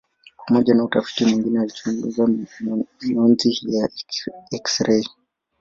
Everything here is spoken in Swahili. Pamoja na utafiti mwingine alichunguza mionzi ya eksirei.